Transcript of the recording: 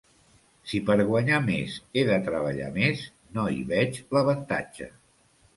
Si per guanyar més he de treballar més, no hi veig l'avantatge.